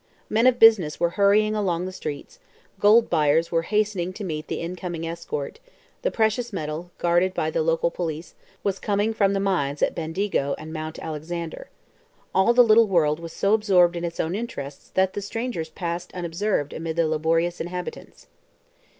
Men of business were hurrying along the streets; gold buyers were hastening to meet the in coming escort; the precious metal, guarded by the local police, was coming from the mines at Bendigo and Mount Alexander. All the little world was so absorbed in its own interests, that the strangers passed unobserved amid the laborious inhabitants.